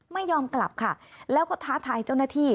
ไม่ยอมกลับค่ะแล้วก็ท้าทายเจ้าหน้าที่